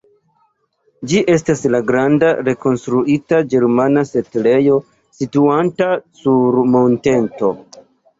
Ĝi estas la granda rekonstruita ĝermana setlejo situanta sur monteto.